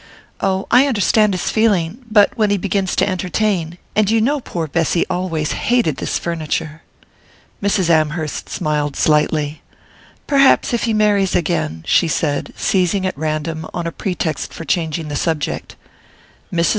"Oh, I understand his feeling; but when he begins to entertain and you know poor Bessy always hated this furniture." Mrs. Amherst smiled slightly. "Perhaps if he marries again " she said, seizing at random on a pretext for changing the subject. Mrs.